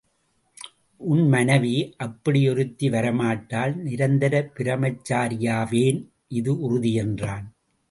உன் மனைவி? அப்படி ஒருத்தி வரமாட்டாள் நிரந்தர பிரம்மச்சரியாவேன் இது உறுதி என்றான்.